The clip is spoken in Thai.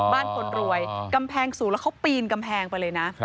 คนรวยกำแพงสูงแล้วเขาปีนกำแพงไปเลยนะ